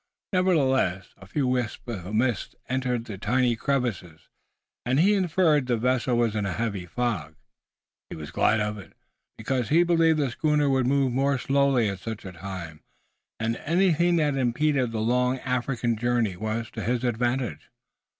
Nevertheless a few wisps of mist entered the tiny crevices, and he inferred the vessel was in a heavy fog. He was glad of it, because he believed the schooner would move slowly at such a time, and anything that impeded the long African journey was to his advantage.